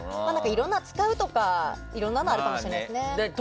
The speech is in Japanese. いろんな使うとか、いろんなのあるかもしれないですね。